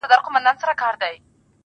داسي نه كړو.